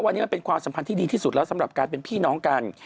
วันนี้มันเป็นความสัมพันธ์ที่ดีที่สุดแล้วสำหรับการเป็นพี่น้องกัน